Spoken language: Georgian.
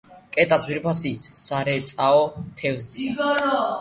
კეტა ძვირფასი სარეწაო თევზია.